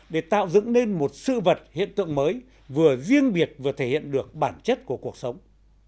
để tạo dựng nên một sự vật hiện tượng mới vừa riêng biệt vừa thể hiện được bản chất của cuộc sống